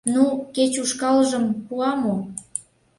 Ну, кеч ушкалжым пуа мо?..